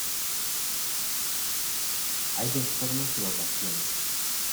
Hay dos formas de votación.